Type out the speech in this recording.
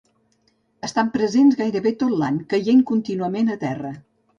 Estan presents gairebé tot l'any, caient contínuament a terra.